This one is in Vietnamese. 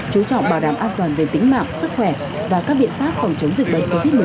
chú trọng bảo đảm an toàn về tính mạng sức khỏe và các biện pháp phòng chống dịch bệnh covid một mươi chín